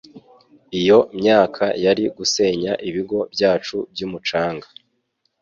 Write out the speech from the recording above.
Iyo myaka yari gusenya ibigo byacu byumucanga